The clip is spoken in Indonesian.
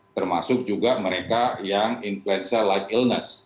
termasuk juga mereka yang influenza like illness